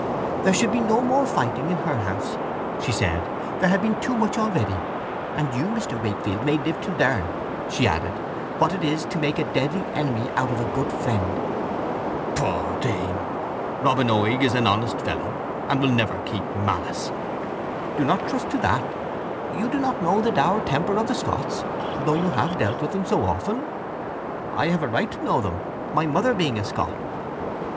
"There should be no more fighting in her house," she said; "there had been too much already. And you, Mr. Wakefield, may live to learn," she added, "what it is to make a deadly enemy out of a good friend." "Pshaw, dame! Robin Oig is an honest fellow, and will never keep malice." "Do not trust to that: you do not know the dour temper of the Scots, though you have dealt with them so often. I have a right to know them, my mother being a Scot."